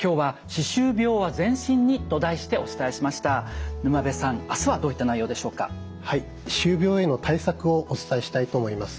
歯周病への対策をお伝えしたいと思います。